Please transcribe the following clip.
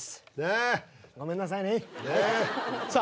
ごめんなさいねさあ